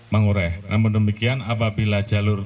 mengurai namun demikian apabila jalur